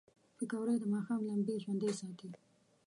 پکورې د ماښام لمبې ژوندۍ ساتي